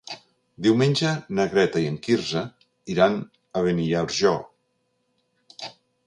Diumenge na Greta i en Quirze iran a Beniarjó.